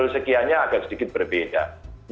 diy dengan baten saya kira sekian